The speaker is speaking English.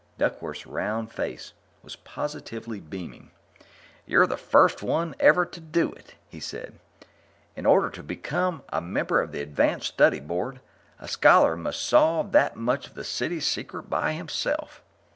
Duckworth's round face was positively beaming. "You're the first one ever to do it," he said. "In order to become a member of the Advanced Study Board, a scholar must solve that much of the City's secret by himself.